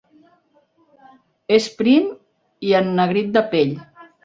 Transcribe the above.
És prim i ennegrit de pell.